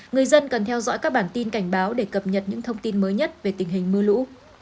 người dân cần theo dõi các bản tin cảnh báo để cập nhật những thông tin mới nhất về tình hình mưa lũ